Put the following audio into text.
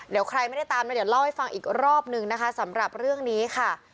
เดี๋ยวใครไม่ได้ตามนะเดี๋ยวเล่าให้ฟังอีกรอบนึงนะคะสำหรับเรื่องนี้ค่ะ